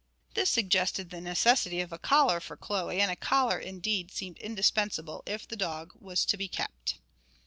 This suggested the necessity of a collar for Chloe, and a collar, indeed, seemed indispensable if the dog was to be kept.